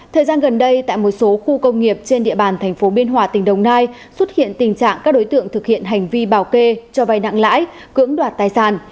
thời gian gần đây tại một số khu công nghiệp trên địa bàn thành phố biên hòa tỉnh đồng nai xuất hiện tình trạng các đối tượng thực hiện hành vi bảo kê cho vay nặng lãi cưỡng đoạt tài sản